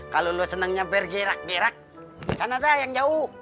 kalau lo senang nyamper gerak gerak di sana dah yang jauh